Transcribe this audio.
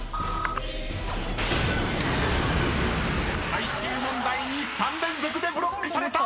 ［最終問題に３連続でブロックされた！］